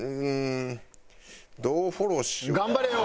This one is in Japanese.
頑張れよ！